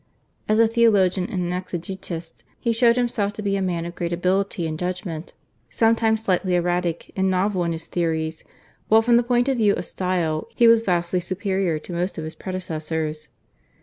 As a theologian and an exegetist he showed himself to be a man of great ability and judgment sometimes slightly erratic and novel in his theories, while from the point of view of style he was vastly superior to most of his predecessors.